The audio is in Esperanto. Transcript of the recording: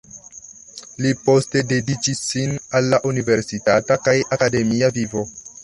Li poste dediĉis sin al la universitata kaj akademia vivo.